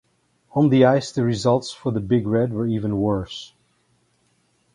On the ice the results for the Big Red were even worse.